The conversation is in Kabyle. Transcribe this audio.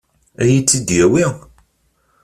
Ad iyi-tt-id-yawi?